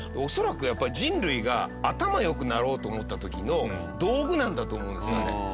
恐らくやっぱ人類が頭良くなろうと思った時の道具なんだと思うんですあれ。